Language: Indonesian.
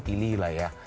pilih lah ya